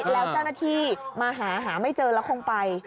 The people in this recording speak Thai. แล้วเจ้าหน้าที่มาหาหาไม่เจอแล้วคงไป